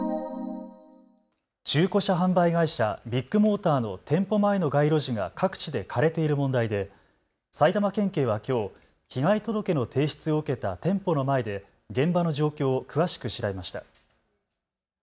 中古車販売会社、ビッグモーターの店舗前の街路樹が各地で枯れている問題で埼玉県警はきょう、被害届の提出を受けた店舗の前で現場の状況を詳しく調べました。